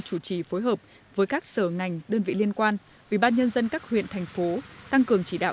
chủ trì phối hợp với các sở ngành đơn vị liên quan ubnd các huyện thành phố tăng cường chỉ đạo